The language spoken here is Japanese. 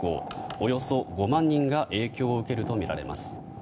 およそ５万人が影響を受けるとみられます。